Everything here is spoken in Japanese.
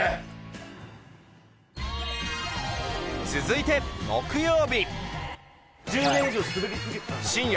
続いて木曜日。